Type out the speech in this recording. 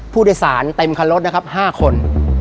ผู้ด่อสารเต็มคันรถนะครับห้าคน